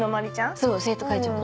そう生徒会長の。